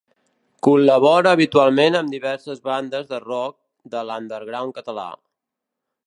Col·labora habitualment amb diverses bandes de rock de l'underground català.